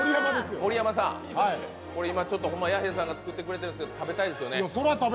盛山さん、ほんまに今、弥平さんに作っていただいているんですけど、食べたいですよね？